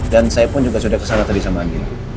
dan saya pun juga sudah kesana tadi sama andi